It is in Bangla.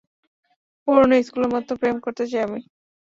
পুরনো স্কুলের মত প্রেম করতে চাই আমি।